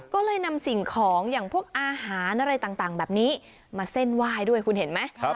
ก็เลยนำสิ่งของอย่างพวกอาหารอะไรต่างแบบนี้มาเส้นไหว้ด้วยคุณเห็นไหม